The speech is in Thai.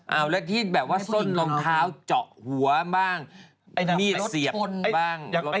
เอาแล้วที่แบบว่าส้นรองเท้าเจาะหัวบ้างไอ้มีดเสียบบ้าง